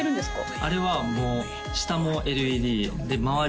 あれはもう下もＬＥＤで周り